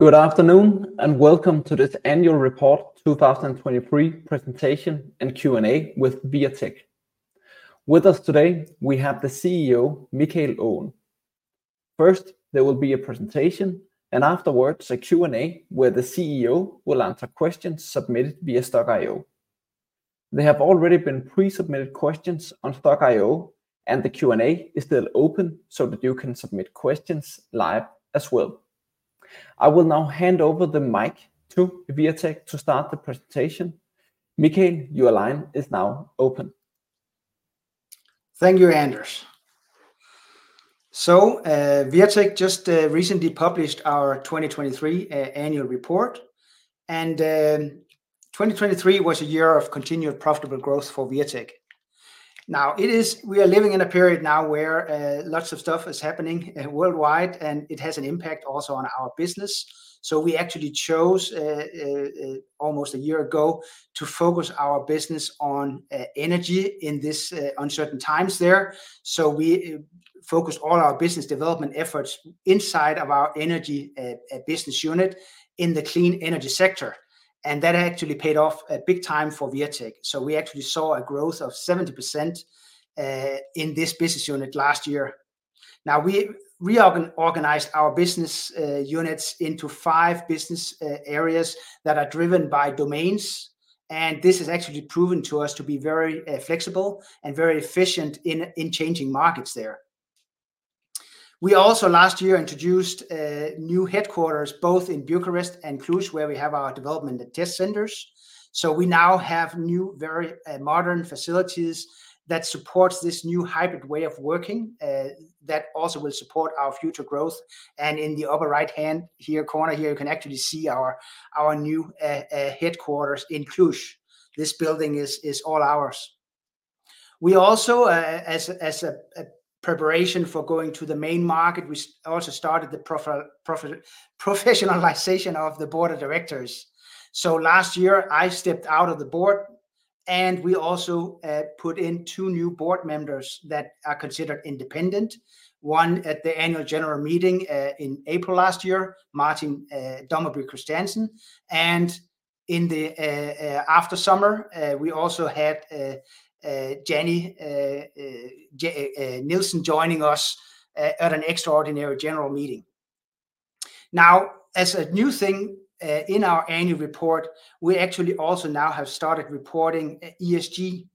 Good afternoon, and welcome to this annual report 2023 presentation and Q&A with Wirtek. With us today, we have the CEO, Michael Aaen. First, there will be a presentation, and afterwards, a Q&A, where the CEO will answer questions submitted via Stokk.io. There have already been pre-submitted questions on Stokk.io, and the Q&A is still open so that you can submit questions live as well. I will now hand over the mic to Wirtek to start the presentation. Michael, your line is now open. Thank you, Anders. So, Wirtek just recently published our 2023 annual report, and 2023 was a year of continued profitable growth for Wirtek. Now, it is. We are living in a period now where lots of stuff is happening worldwide, and it has an impact also on our business. So we actually chose almost a year ago to focus our business on energy in this uncertain times there. So we focused all our business development efforts inside of our energy business unit in the clean energy sector, and that actually paid off big time for Wirtek. So we actually saw a growth of 70% in this business unit last year. Now, we reorganized our business units into five business areas that are driven by domains, and this has actually proven to us to be very flexible and very efficient in changing markets there. We also, last year, introduced new headquarters, both in Bucharest and Cluj, where we have our development and test centers. So we now have new, very modern facilities that supports this new hybrid way of working that also will support our future growth. And in the upper right-hand here, corner here, you can actually see our new headquarters in Cluj. This building is all ours. We also, as a preparation for going to the main market, we also started the professionalization of the board of directors. Last year, I stepped out of the board, and we also put in two new board members that are considered independent. One at the annual general meeting in April last year, Martin Dommerby Kristiansen, and after summer, we also had Janie Nielsen joining us at an extraordinary general meeting. Now, as a new thing in our annual report, we actually also now have started reporting ESG,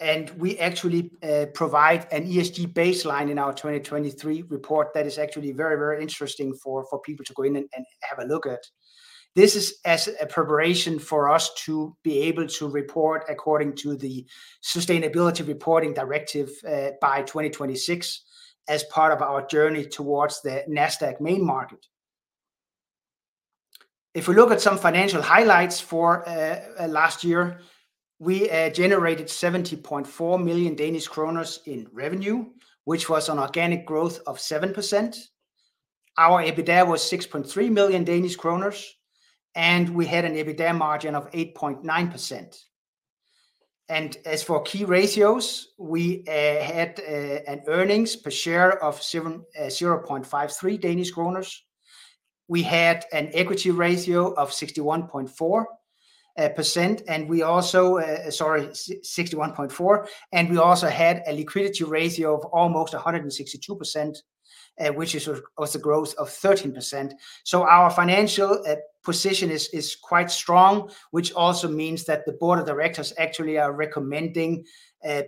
and we actually provide an ESG baseline in our 2023 report that is actually very, very interesting for people to go in and have a look at. This is as a preparation for us to be able to report according to the Sustainability Reporting Directive by 2026, as part of our journey towards the Nasdaq Main Market. If we look at some financial highlights for last year, we generated 70.4 million Danish kroner in revenue, which was an organic growth of 7%. Our EBITDA was 6.3 million Danish kroner, and we had an EBITDA margin of 8.9%. As for key ratios, we had an earnings per share of 0.53 Danish kroner. We had an equity ratio of 61.4%, and we also had a liquidity ratio of almost 162%, which is, was a growth of 13%. So our financial position is quite strong, which also means that the board of directors actually are recommending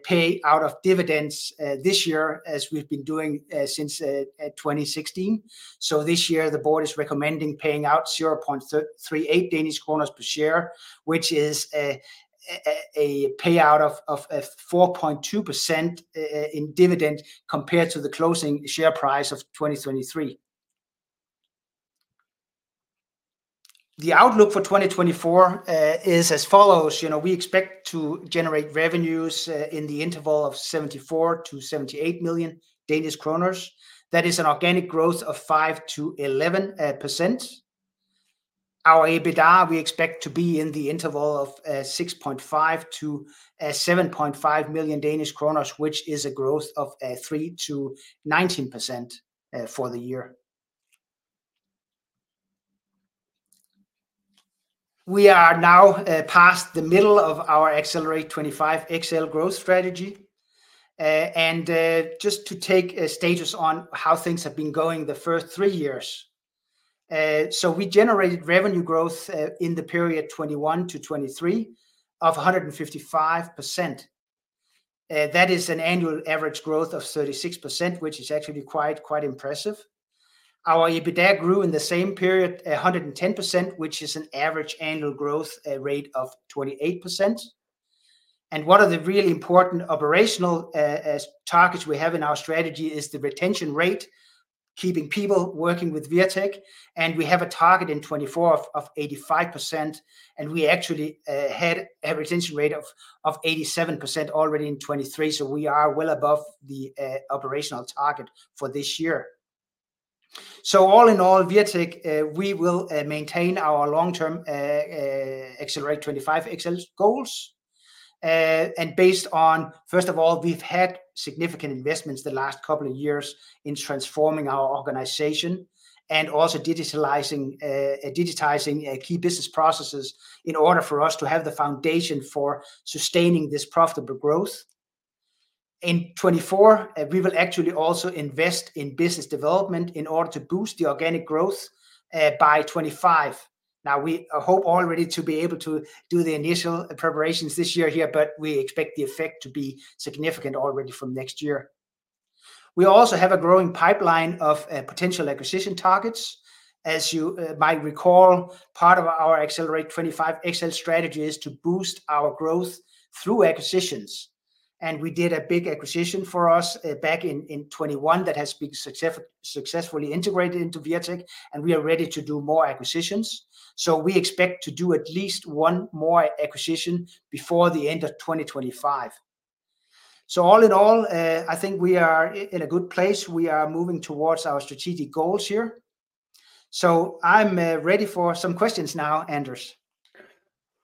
pay out of dividends this year, as we've been doing since 2016. So this year, the board is recommending paying out 0.38 Danish kroner per share, which is a payout of a 4.2% in dividend, compared to the closing share price of 2023. The outlook for 2024 is as follows: You know, we expect to generate revenues in the interval of 74 million- 78 million Danish kroner. That is an organic growth of 5%-11%. Our EBITDA, we expect to be in the interval of 6.5 million-7.5 million Danish kroner, which is a growth of 3%-19% for the year. We are now past the middle of our Accelerat25 XL growth strategy. Just to take a status on how things have been going the first three years. So we generated revenue growth in the period 2021 to 2023 of 155%. That is an annual average growth of 36%, which is actually quite impressive. Our EBITDA grew in the same period 110%, which is an average annual growth rate of 28%. One of the really important operational targets we have in our strategy is the retention rate, keeping people working with Wirtek, and we have a target in 2024 of 85%, and we actually had a retention rate of 87% already in 2023. So we are well above the operational target for this year. So all in all, Wirtek, we will maintain our long-term Accelerate25XL goals. And based on, first of all, we've had significant investments the last couple of years in transforming our organization, and also digitalizing, digitizing key business processes in order for us to have the foundation for sustaining this profitable growth. In 2024, we will actually also invest in business development in order to boost the organic growth by 2025. Now, we hope already to be able to do the initial preparations this year here, but we expect the effect to be significant already from next year. We also have a growing pipeline of potential acquisition targets. As you might recall, part of our Accelerate25XL strategy is to boost our growth through acquisitions, and we did a big acquisition for us back in 2021 that has been successfully integrated into Wirtek, and we are ready to do more acquisitions. So we expect to do at least one more acquisition before the end of 2025. So all in all, I think we are in a good place. We are moving towards our strategic goals here. So I'm ready for some questions now, Anders.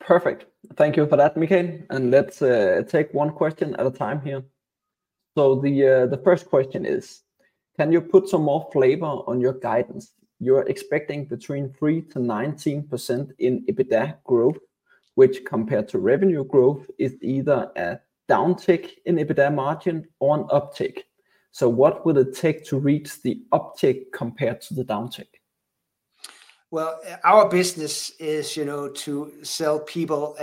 Perfect. Thank you for that, Michael, and let's take one question at a time here. So the first question is: Can you put some more flavor on your guidance? You're expecting between 3%-19% in EBITDA growth, which, compared to revenue growth, is either a downtick in EBITDA margin or an uptick. So what would it take to reach the uptick compared to the downtick? Well, our business is, you know, to sell people,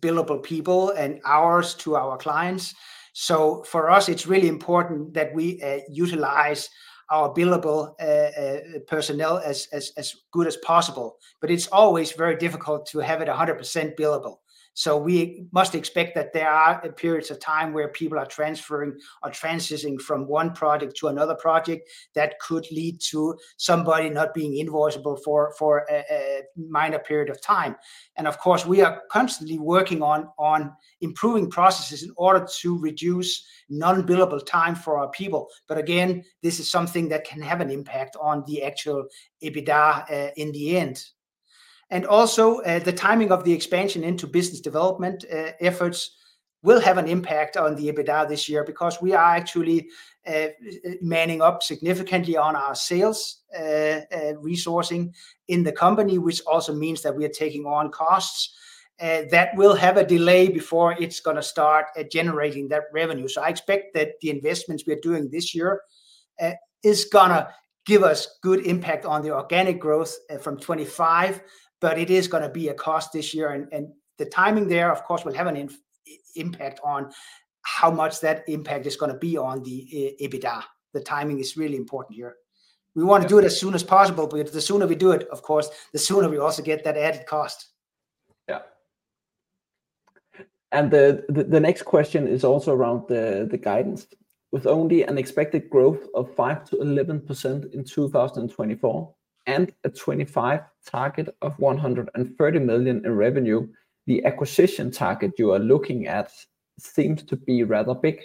billable people and hours to our clients. So for us, it's really important that we utilize our billable personnel as good as possible, but it's always very difficult to have it 100% billable. So we must expect that there are periods of time where people are transferring or transitioning from one project to another project that could lead to somebody not being invoiceable for a minor period of time. And of course, we are constantly working on improving processes in order to reduce non-billable time for our people. But again, this is something that can have an impact on the actual EBITDA in the end. And also, the timing of the expansion into business development efforts will have an impact on the EBITDA this year, because we are actually manning up significantly on our sales resourcing in the company, which also means that we are taking on costs that will have a delay before it's gonna start generating that revenue. So I expect that the investments we are doing this year is gonna give us good impact on the organic growth from 2025, but it is gonna be a cost this year. And the timing there, of course, will have an impact on how much that impact is gonna be on the EBITDA. The timing is really important here. We want to do it as soon as possible, but the sooner we do it, of course, the sooner we also get that added cost. Yeah. The next question is also around the guidance. With only an expected growth of 5%-11% in 2024, and a 2025 target of 130 million in revenue, the acquisition target you are looking at seems to be rather big.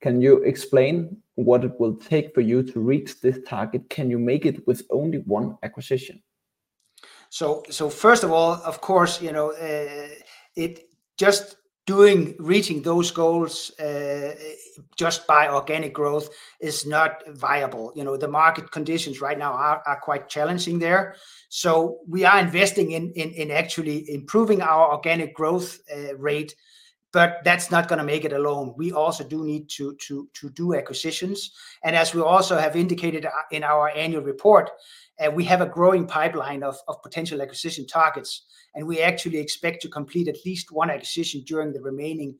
Can you explain what it will take for you to reach this target? Can you make it with only one acquisition? So first of all, of course, you know, just reaching those goals just by organic growth is not viable. You know, the market conditions right now are quite challenging there. So we are investing in actually improving our organic growth rate, but that's not gonna make it alone. We also do need to do acquisitions, and as we also have indicated in our annual report, we have a growing pipeline of potential acquisition targets, and we actually expect to complete at least one acquisition during the remaining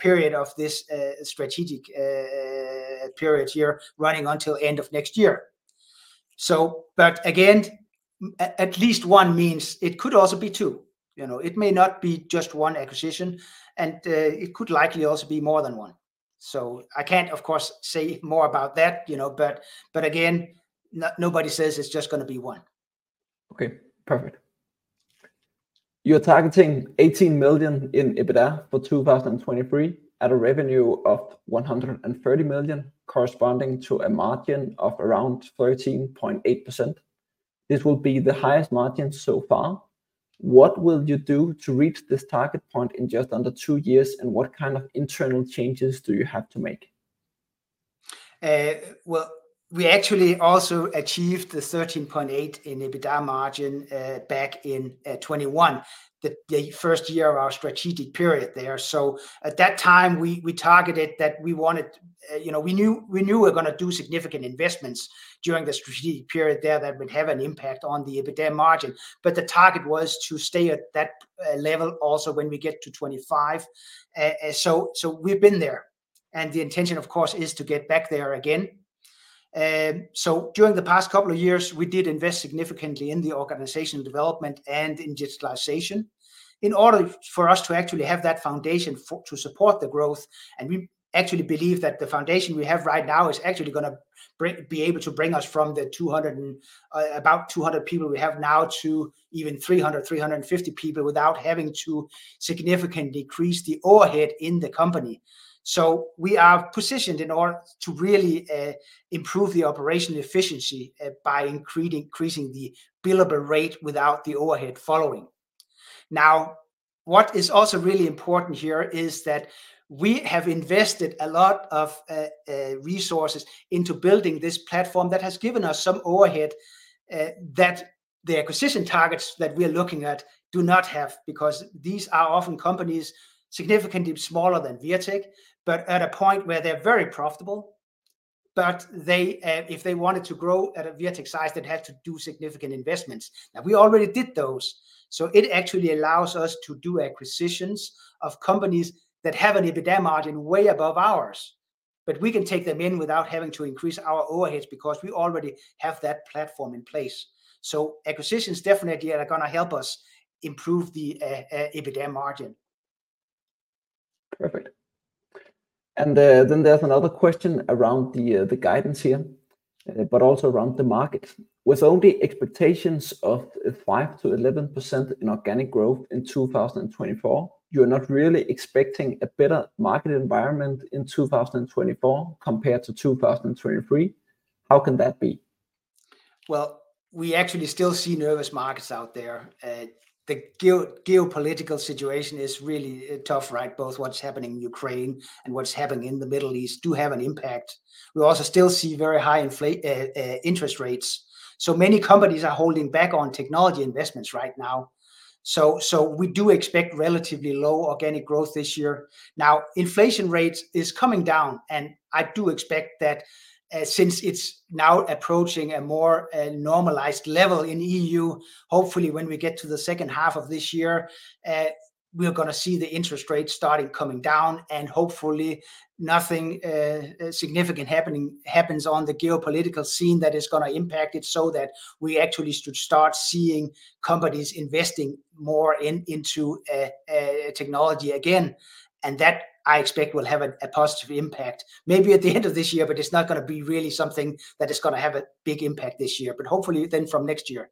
period of this strategic period here, running until end of next year. So but again, at least one means it could also be two. You know, it may not be just one acquisition, and it could likely also be more than one. So I can't, of course, say more about that, you know, but again, nobody says it's just gonna be one. Okay, perfect. You're targeting 18 million in EBITDA for 2023 at a revenue of 130 million, corresponding to a margin of around 13.8%. This will be the highest margin so far. What will you do to reach this target point in just under two years, and what kind of internal changes do you have to make? Well, we actually also achieved the 13.8% EBITDA margin back in 2021, the first year of our strategic period there. So at that time, we targeted that we wanted- you know, we knew we're gonna do significant investments during the strategic period there that would have an impact on the EBITDA margin, but the target was to stay at that level also when we get to 2025. So we've been there, and the intention, of course, is to get back there again. So during the past couple of years, we did invest significantly in the organizational development and in digitalization in order for us to actually have that foundation for to support the growth. We actually believe that the foundation we have right now is actually gonna be able to bring us from the about 200 people we have now to even 300, 350 people without having to significantly increase the overhead in the company. So we are positioned in order to really improve the operational efficiency by increasing the billable rate without the overhead following. Now, what is also really important here is that we have invested a lot of resources into building this platform that has given us some overhead that the acquisition targets that we're looking at do not have, because these are often companies significantly smaller than Wirtek, but at a point where they're very profitable. But they, if they wanted to grow at a Wirtek size, they'd have to do significant investments. Now, we already did those, so it actually allows us to do acquisitions of companies that have an EBITDA margin way above ours. But we can take them in without having to increase our overheads, because we already have that platform in place. So acquisitions definitely are gonna help us improve the, EBITDA margin. Perfect. And then, there's another question around the, the guidance here, but also around the market. With only expectations of 5%-11% in organic growth in 2024, you're not really expecting a better market environment in 2024 compared to 2023? How can that be? Well, we actually still see nervous markets out there. The geopolitical situation is really tough, right? Both what's happening in Ukraine and what's happening in the Middle East do have an impact. We also still see very high inflation and interest rates, so many companies are holding back on technology investments right now. So we do expect relatively low organic growth this year. Now, inflation rates is coming down, and I do expect that, since it's now approaching a more normalized level in EU, hopefully when we get to the second half of this year, we're gonna see the interest rates starting coming down. And hopefully nothing significant happens on the geopolitical scene that is gonna impact it, so that we actually should start seeing companies investing more into technology again. That, I expect, will have a positive impact maybe at the end of this year, but it's not gonna be really something that is gonna have a big impact this year, but hopefully then from next year.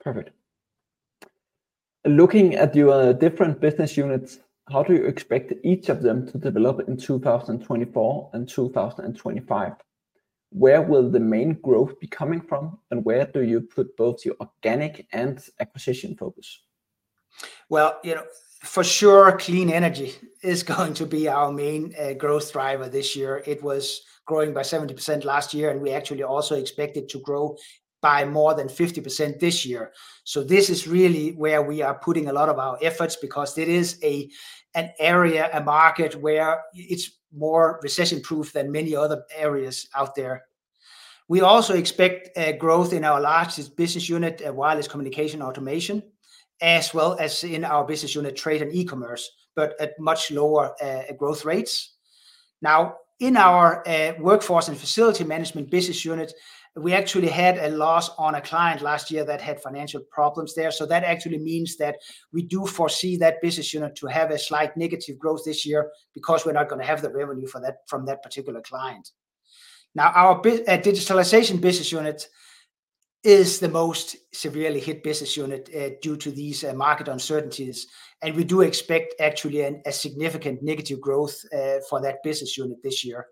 Perfect. Looking at your different business units, how do you expect each of them to develop in 2024 and 2025? Where will the main growth be coming from, and where do you put both your organic and acquisition focus? Well, you know, for sure, clean energy is going to be our main growth driver this year. It was growing by 70% last year, and we actually also expect it to grow by more than 50% this year. So this is really where we are putting a lot of our efforts, because it is an area, a market, where it's more recession-proof than many other areas out there. We also expect growth in our largest business unit, wireless communication automation, as well as in our business unit, trade and e-commerce, but at much lower growth rates. Now, in our workforce and facility management business unit, we actually had a loss on a client last year that had financial problems there. So that actually means that we do foresee that business unit to have a slight negative growth this year, because we're not gonna have the revenue for that, from that particular client. Now, our digitalization business unit is the most severely hit business unit due to these market uncertainties, and we do expect actually a significant negative growth for that business unit this year.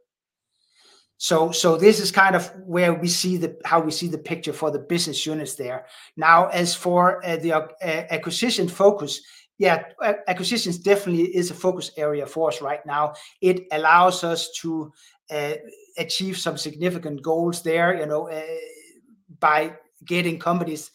So this is kind of where we see the- how we see the picture for the business units there. Now, as for the acquisition focus, yeah, acquisitions definitely is a focus area for us right now. It allows us to achieve some significant goals there, you know, by getting companies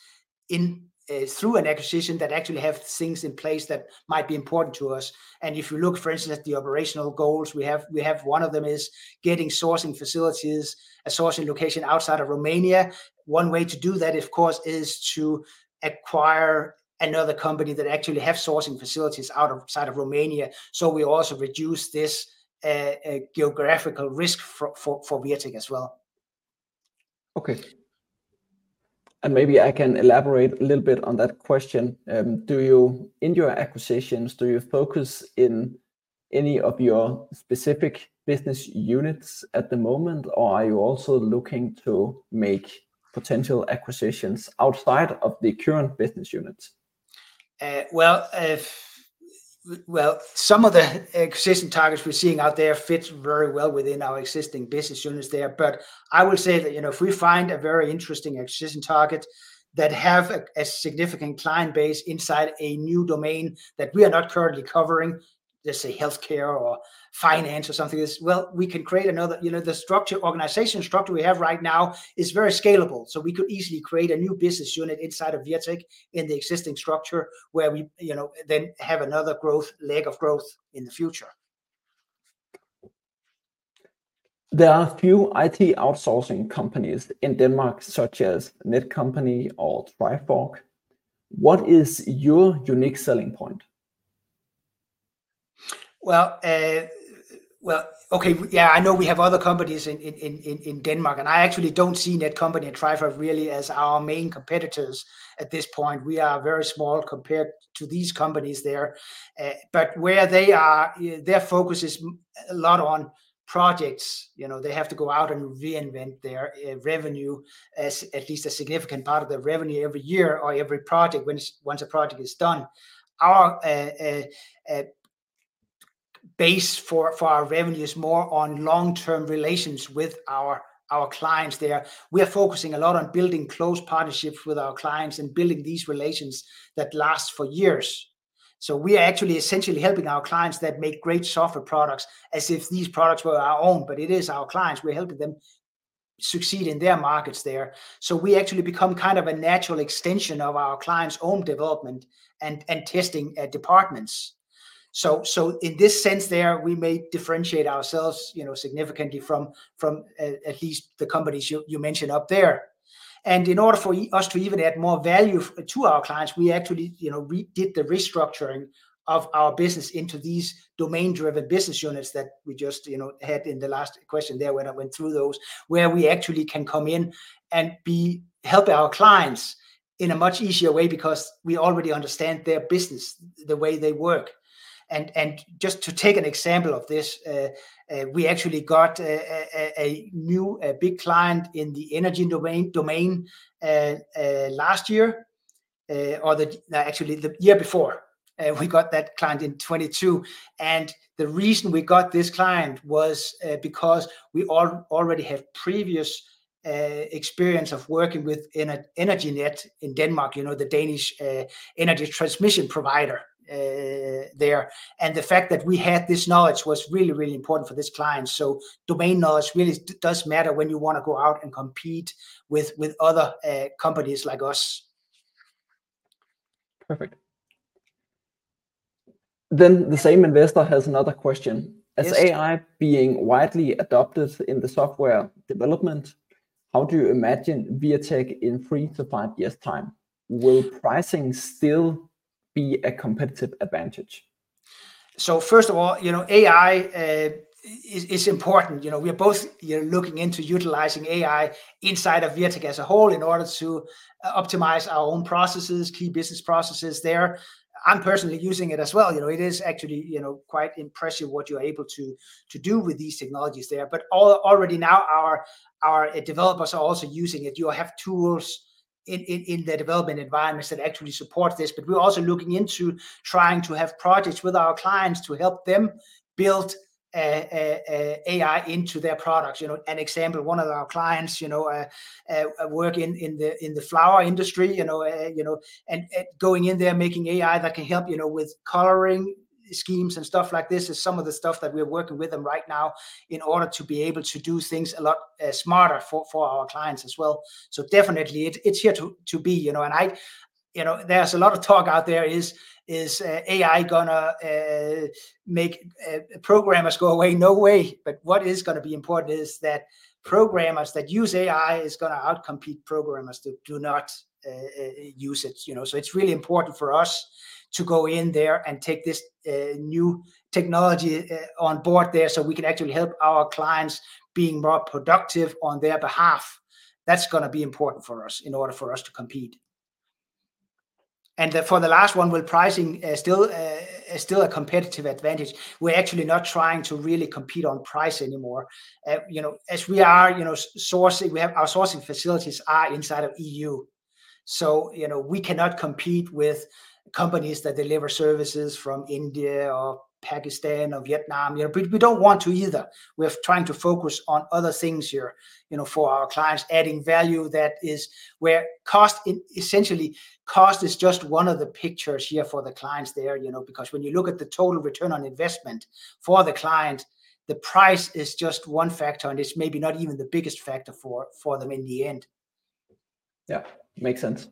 in through an acquisition that actually have things in place that might be important to us. If you look, for instance, at the operational goals we have, one of them is getting sourcing facilities, a sourcing location outside of Romania. One way to do that, of course, is to acquire another company that actually have sourcing facilities outside of Romania, so we also reduce this geographical risk for Wirtek as well. Okay, and maybe I can elaborate a little bit on that question. Do you, in your acquisitions, do you focus in any of your specific business units at the moment, or are you also looking to make potential acquisitions outside of the current business units? Well, some of the acquisition targets we're seeing out there fits very well within our existing business units there. But I would say that, you know, if we find a very interesting acquisition target that have a significant client base inside a new domain that we are not currently covering, let's say healthcare or finance or something, well, we can create another, you know, the structure, organization structure we have right now is very scalable, so we could easily create a new business unit inside of Wirtek in the existing structure, where we, you know, then have another growth, leg of growth in the future. There are a few IT outsourcing companies in Denmark, such as Netcompany or Trifork. What is your unique selling point? Well, okay, yeah, I know we have other companies in Denmark, and I actually don't see Netcompany and Trifork really as our main competitors at this point. We are very small compared to these companies there. But where they are, their focus is a lot on projects. You know, they have to go out and reinvent their revenue as at least a significant part of their revenue every year or every project, once a project is done. Our base for our revenue is more on long-term relations with our clients there. We are focusing a lot on building close partnerships with our clients and building these relations that last for years. So we are actually essentially helping our clients that make great software products as if these products were our own, but it is our clients, we're helping them succeed in their markets there. So we actually become kind of a natural extension of our client's own development and testing departments. So in this sense there, we may differentiate ourselves, you know, significantly from at least the companies you mentioned up there. In order for us to even add more value to our clients, we actually, you know, redid the restructuring of our business into these domain-driven business units that we just, you know, had in the last question there when I went through those, where we actually can come in and be help our clients in a much easier way because we already understand their business, the way they work. Just to take an example of this, we actually got a new big client in the energy domain last year, or actually the year before. We got that client in 2022. And the reason we got this client was because we already have previous experience of working with Energinet in Denmark, you know, the Danish energy transmission provider there. And the fact that we had this knowledge was really really important for this client. So domain knowledge really does matter when you want to go out and compete with other companies like us. Perfect. Then the same investor has another question. Yes. As AI being widely adopted in the software development, how do you imagine Wirtek in 3 years-5 years' time? Will pricing still be a competitive advantage? So first of all, you know, AI is important. You know, we are both, you know, looking into utilizing AI inside of Wirtek as a whole in order to optimize our own processes, key business processes there. I'm personally using it as well, you know. It is actually, you know, quite impressive what you're able to do with these technologies there. But already now our developers are also using it. You have tools in the development environments that actually support this. But we're also looking into trying to have projects with our clients to help them build AI into their products. You know, an example, one of our clients, you know, work in the flower industry, you know, and going in there, making AI that can help, you know, with coloring schemes and stuff like this is some of the stuff that we're working with them right now in order to be able to do things a lot smarter for our clients as well. So definitely, it's here to be, you know, right? You know, there's a lot of talk out there, is AI gonna make programmers go away? No way. But what is gonna be important is that programmers that use AI is gonna out-compete programmers that do not use it, you know? So it's really important for us to go in there and take this new technology on board there, so we can actually help our clients being more productive on their behalf. That's gonna be important for us in order for us to compete. And then for the last one, will pricing still a competitive advantage? We're actually not trying to really compete on price anymore. You know, as we are sourcing, we have our sourcing facilities are inside of EU, so you know, we cannot compete with companies that deliver services from India or Pakistan or Vietnam, you know. But we don't want to either. We're trying to focus on other things here, you know, for our clients, adding value that is where cost, essentially, cost is just one of the pictures here for the clients there, you know? Because when you look at the total return on investment for the client, the price is just one factor, and it's maybe not even the biggest factor for them in the end. Yeah, makes sense.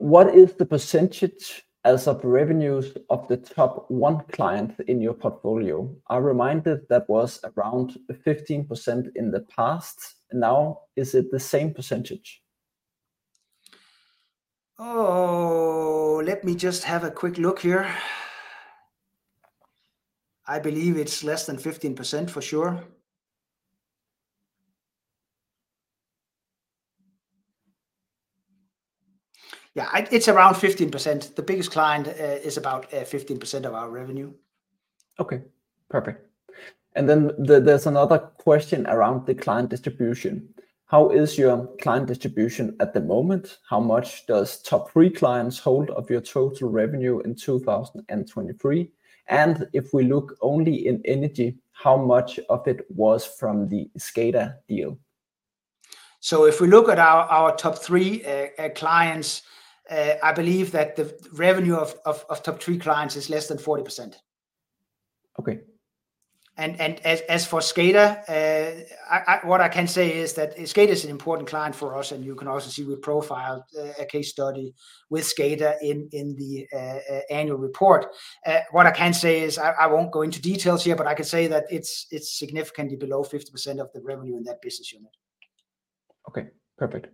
What is the percentage as of revenues of the top one client in your portfolio? I reminded that was around 15% in the past. Now, is it the same percentage? Oh, let me just have a quick look here. I believe it's less than 15%, for sure. Yeah, it's around 15%. The biggest client is about 15% of our revenue. Okay, perfect. And then there, there's another question around the client distribution. How is your client distribution at the moment? How much does top three clients hold of your total revenue in 2023? And if we look only in energy, how much of it was from the SCADA deal? So if we look at our top three clients, I believe that the revenue of top three clients is less than 40%. Okay. As for SCADA, what I can say is that SCADA is an important client for us, and you can also see we profiled a case study with SCADA in the annual report. What I can say is, I won't go into details here, but I can say that it's significantly below 50% of the revenue in that business unit. Okay, perfect.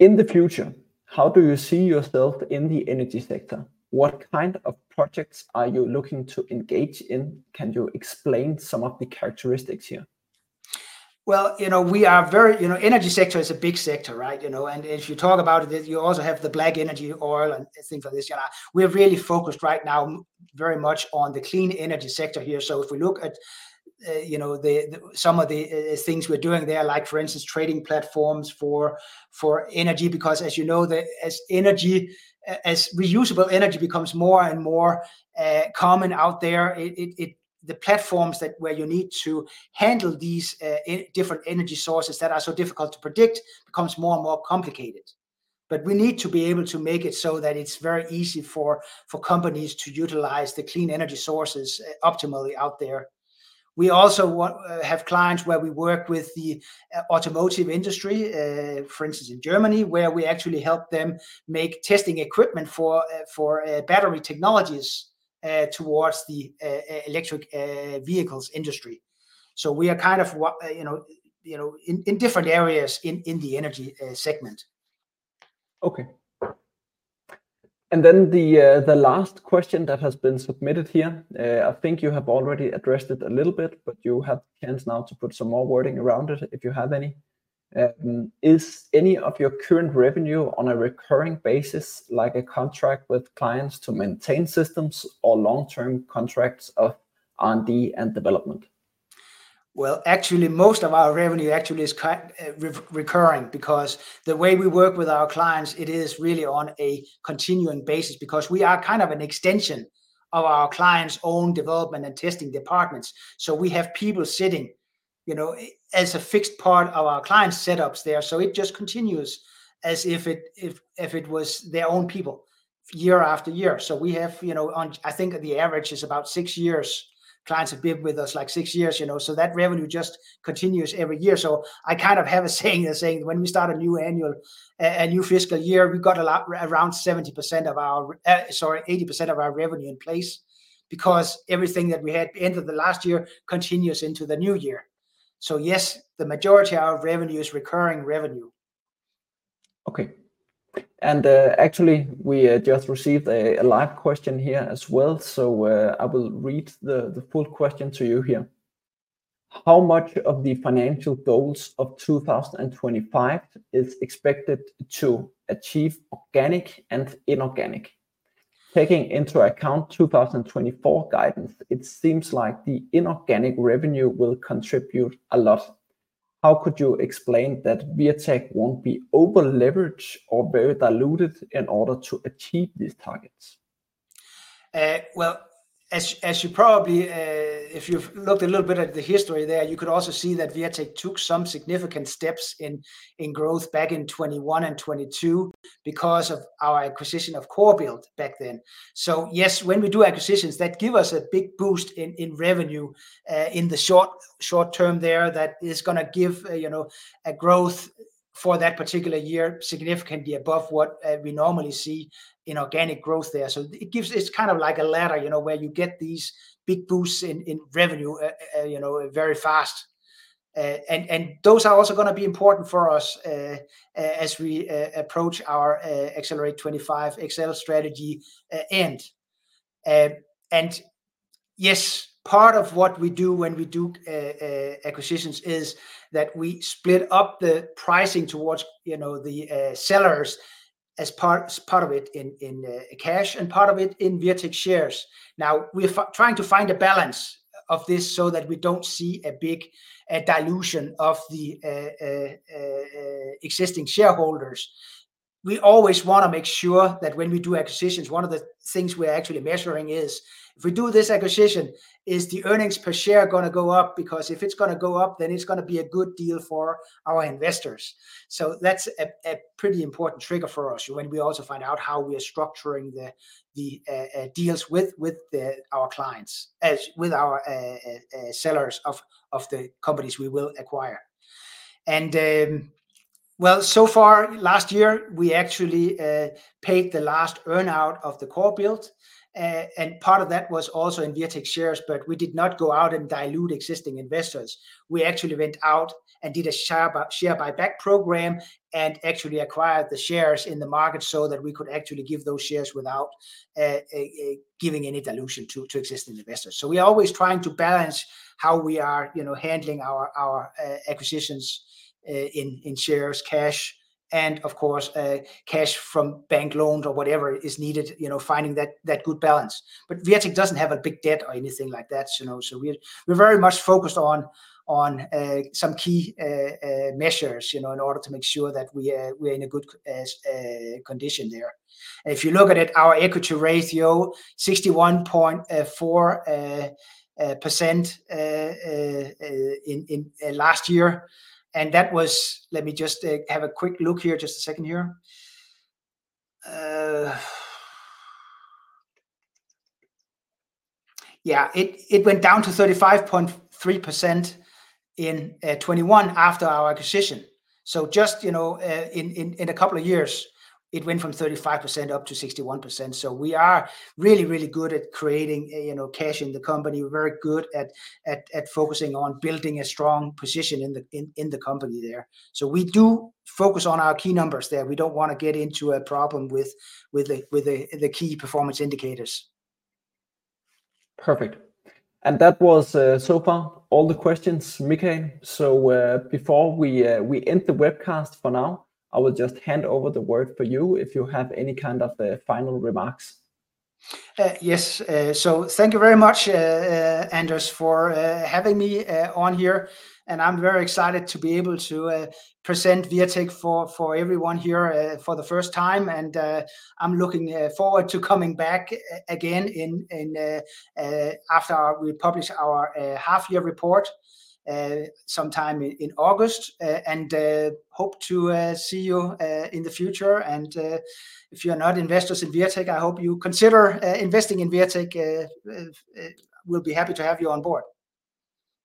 In the future, how do you see yourself in the energy sector? What kind of projects are you looking to engage in? Can you explain some of the characteristics here? Well, you know, we are very, you know, energy sector is a big sector, right? You know, and if you talk about it, you also have the black energy, oil, and things like this. Yeah, we're really focused right now very much on the clean energy sector here. So if we look at, you know, some of the things we're doing there, like for instance, trading platforms for energy. Because as you know, as renewable energy becomes more and more common out there, it the platforms that where you need to handle these different energy sources that are so difficult to predict, becomes more and more complicated. But we need to be able to make it so that it's very easy for companies to utilize the clean energy sources optimally out there. We also have clients where we work with the automotive industry, for instance, in Germany, where we actually help them make testing equipment for battery technologies towards the electric vehicles industry. So we are kind of, you know, in different areas in the energy segment. Okay. And then the last question that has been submitted here, I think you have already addressed it a little bit, but you have the chance now to put some more wording around it, if you have any. Is any of your current revenue on a recurring basis, like a contract with clients to maintain systems or long-term contracts of R&D and development? Well, actually, most of our revenue actually is recurring, because the way we work with our clients, it is really on a continuing basis, because we are kind of an extension of our clients' own development and testing departments. So we have people sitting, you know, as a fixed part of our client setups there, so it just continues as if it was their own people, year-after-year. So we have, you know, I think the average is about six years, clients have been with us, like six years, you know, so that revenue just continues every year. So I kind of have a saying, a saying, when we start a new annual, a new fiscal year, we've got a lot, around 70% of our- sorry 80% of our revenue in place, because everything that we had at the end of the last year continues into the new year. So yes, the majority of our revenue is recurring revenue. Okay. And, actually, we just received a live question here as well, so, I will read the full question to you here. How much of the financial goals of 2025 is expected to achieve organic and inorganic? Taking into account 2024 guidance, it seems like the inorganic revenue will contribute a lot. How could you explain that Wirtek won't be over-leveraged or very diluted in order to achieve these targets? Well, as you probably- if you've looked a little bit at the history there, you could also see that Wirtek took some significant steps in growth back in 2021 and 2022 because of our acquisition of CoreBuild back then. So yes, when we do acquisitions, that give us a big boost in revenue in the short term there, that is gonna give, you know, a growth for that particular year, significantly above what we normally see in organic growth there. So it gives. It's kind of like a ladder, you know, where you get these big boosts in revenue very fast. And those are also gonna be important for us as we approach our Accelerate25XL strategy end. And yes, part of what we do when we do acquisitions is that we split up the pricing towards, you know, the sellers as part, as part of it in cash, and part of it in Wirtek shares. Now, we're trying to find a balance of this so that we don't see a big dilution of the existing shareholders. We always wanna make sure that when we do acquisitions, one of the things we're actually measuring is, if we do this acquisition, is the earnings per share gonna go up? Because if it's gonna go up, then it's gonna be a good deal for our investors. So that's a pretty important trigger for us when we also find out how we are structuring the deals with our clients, as with our sellers of the companies we will acquire. And, well, so far, last year, we actually paid the last earn-out of the CoreBuild, and part of that was also in Wirtek shares, but we did not go out and dilute existing investors. We actually went out and did a share buyback program, and actually acquired the shares in the market so that we could actually give those shares without giving any dilution to existing investors. So we are always trying to balance how we are, you know, handling our acquisitions in shares, cash, and of course, cash from bank loans or whatever is needed, you know, finding that good balance. But Wirtek doesn't have a big debt or anything like that, you know, so we're very much focused on some key measures, you know, in order to make sure that we, we're in a good condition there. If you look at it, our equity ratio, 61.4%, in last year, and that was- let me just have a quick look here. Just a second here. Yeah, it went down to 35.3% in 2021 after our acquisition. So just, you know, in a couple of years, it went from 35% up to 61%. So we are really, really good at creating, you know, cash in the company. We're very good at focusing on building a strong position in the company there. So we do focus on our key numbers there. We don't wanna get into a problem with the key performance indicators. Perfect. And that was so far all the questions, Michael. So, before we end the webcast for now, I will just hand over the word for you, if you have any kind of final remarks. Yes. So thank you very much, Anders, for having me on here, and I'm very excited to be able to present Wirtek for everyone here for the first time. And I'm looking forward to coming back again after we publish our half-year report sometime in August. And hope to see you in the future. And if you're not investors in Wirtek, I hope you consider investing in Wirtek. We'll be happy to have you on board.